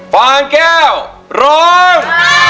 ฟางแก้วร้อง